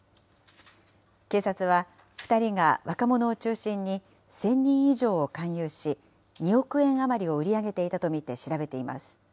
警察は、２人が若者を中心に１０００人以上を勧誘し、２億円余りを売り上げていたと見て調べています。